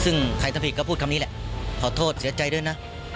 ซึ่งใครทำผิดก็พูดคำนี้แหละขอโทษเสียใจด้วยนะ